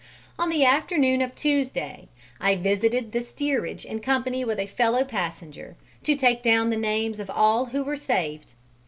On the afternoon of Tuesday, I visited the steerage in company with a fellow passenger, to take down the names of all who were saved.